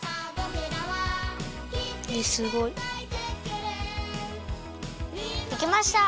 えっすごい！できました！